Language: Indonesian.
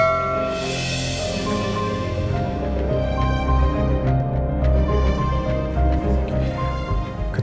dan ibu andin